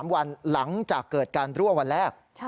๓วันหลังจากเกิดการรั่ววันแรก